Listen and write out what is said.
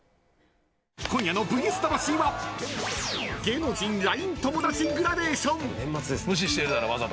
今夜の「ＶＳ魂」は芸能人ＬＩＮＥ友達グラデーション。